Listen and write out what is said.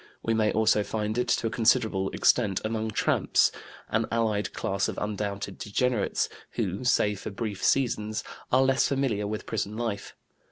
We may also find it to a considerable extent among tramps, an allied class of undoubted degenerates, who, save for brief seasons, are less familiar with prison life.